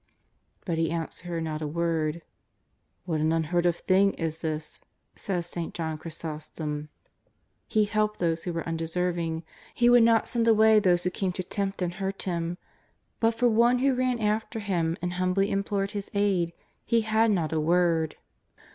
But He answered her not a word. " What an un heard of thing is this !" says St. John Chrysostom. 254 JESUS OF NAZAEETH. " He helped those who were undeserving ; He would not send away those who came to tempt and hurt Him, but for one who ran after Him and humbly implored His aid He had not a word."